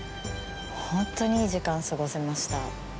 ほんとにいい時間を過ごせました。